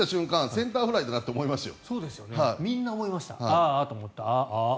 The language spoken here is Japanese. センターフライだなと思いましたよ。